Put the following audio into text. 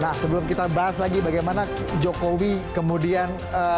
nah sebelum kita bahas lagi bagaimana jokowi kemudian